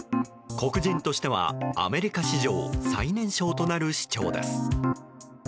黒人としてはアメリカ史上最年少となる市長です。